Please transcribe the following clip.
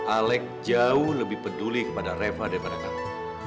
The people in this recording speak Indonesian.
alec jauh lebih peduli kepada reva daripada kamu